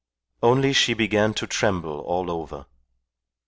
Only she began to tremble all over.